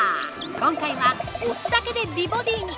今回は押すだけで美ボディーに！